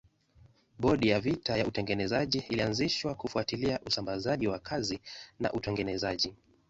Bodi ya vita ya utengenezaji ilianzishwa kufuatilia usambazaji wa kazi na utengenezaji.